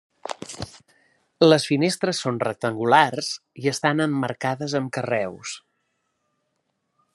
Les finestres són rectangulars i estan emmarcades amb carreus.